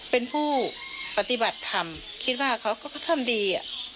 เป็นผู้ปฏิบัติธรรมคิดว่าเขาก็ทำดี